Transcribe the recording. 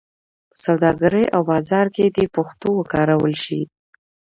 په سوداګرۍ او بازار کې دې پښتو وکارول شي.